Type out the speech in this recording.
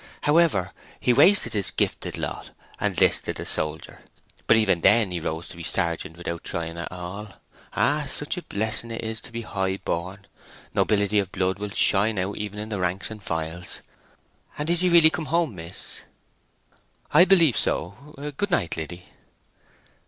However, he wasted his gifted lot, and listed a soldier; but even then he rose to be a sergeant without trying at all. Ah! such a blessing it is to be high born; nobility of blood will shine out even in the ranks and files. And is he really come home, miss?" "I believe so. Good night, Liddy."